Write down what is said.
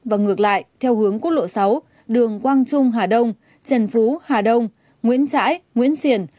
và ngược lại theo hướng quốc lộ sáu đường quang trung hà đông trần phú hà đông nguyễn trãi nguyễn xiển